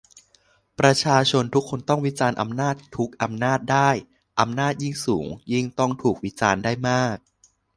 ประชาชนทุกคนต้องวิจารณ์อำนาจทุกอำนาจได้ อำนาจยิ่งสูงยิ่งต้องถูกวิจารณ์ได้มาก